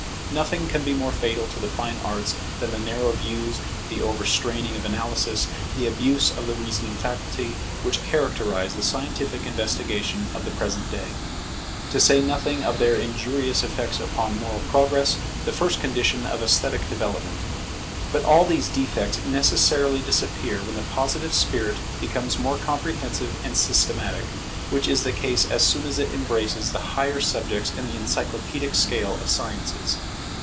Nothing can be more fatal to the fine arts than the narrow views, the overstraining of analysis, the abuse of the reasoning faculty, which characterize the scientific investigation of the present day; to say nothing of their injurious effects upon moral progress, the first condition of esthetic development. But all these defects necessarily disappear when the Positive spirit becomes more comprehensive and systematic; which is the case as soon as it embraces the higher subjects in the encyclopædic scale of sciences.